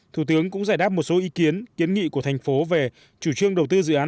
thủ tướng cũng giải đáp một số ý kiến kiến nghị của thành phố về chủ trương đầu tư dự án